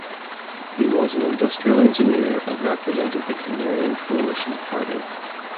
He was an industrial engineer and represented the Canarian Coalition party.